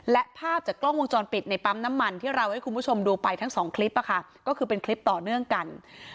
และภาพจากกล้องวงจรปิดในปั๊มน้ำมันที่เราให้คุณผู้ชมดูไปทั้งสองคลิปก็คือเป็นคลิปต่อเนื่องกัน